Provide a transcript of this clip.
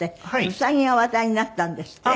ウサギが話題になったんですって？